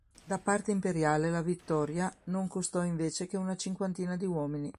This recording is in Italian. Da parte imperiale la vittoria, non costò invece che una cinquantina di uomini.